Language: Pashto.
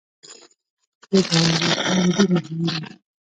د ګاونډي احترام ډېر مهم دی